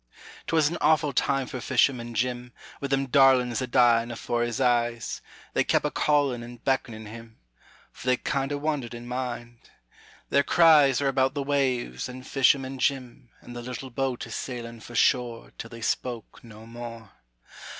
'T was an awful time for fisherman Jim, With them darlin's a dyin' afore his eyes, They kep' a callin' an' beck'nin' him, For they kinder wandered in mind. Their cries Were about the waves and fisherman Jim And the little boat a sailin' for shore Till they spoke no more.